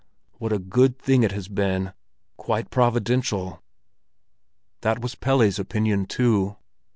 "What a good thing it has been—quite providential!" That was Pelle's opinion too.